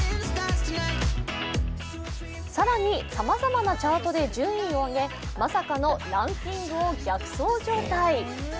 更にさまざまなチャートで順位を上げまさかのランキングを逆走状態。